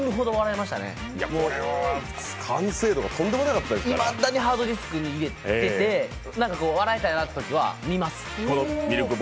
いまだにハードディスクに入れてて、笑いたいときには見ます